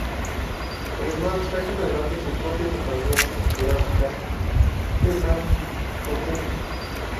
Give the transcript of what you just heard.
Además, sacan adelante su propia compañía discográfica: Esan Ozenki.